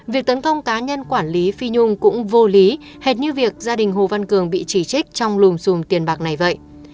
việc tấn công cá nhân quản lý phi nhung cũng vô lý hệ như việc gia đình hồ văn cường bị chỉ trích trong lùm xùm tiền bạc này vậy